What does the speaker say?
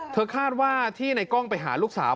คาดว่าที่ในกล้องไปหาลูกสาว